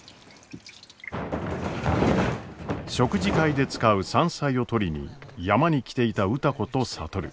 食事会で使う山菜を採りに山に来ていた歌子と智。